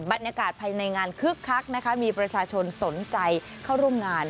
บรรยากาศภายในงานคึกคักนะคะมีประชาชนสนใจเข้าร่วมงาน